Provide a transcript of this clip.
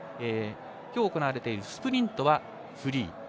今日、行われているスプリントはフリー。